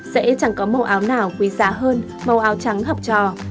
sẽ chẳng có màu áo nào quý giá hơn màu áo trắng học trò